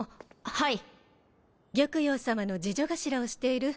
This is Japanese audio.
はい。